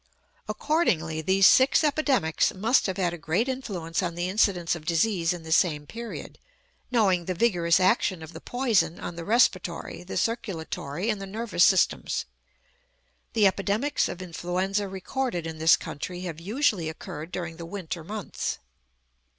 Accordingly, these six epidemics must have had a great influence on the incidence of disease in the same period, knowing the vigorous action of the poison on the respiratory, the circulatory, and the nervous systems. The epidemics of influenza recorded in this country have usually occurred during the winter months.